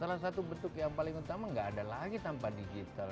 salah satu bentuk yang paling utama nggak ada lagi tanpa digital